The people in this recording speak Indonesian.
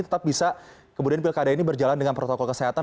tetap bisa kemudian pilkada ini berjalan dengan protokol kesehatan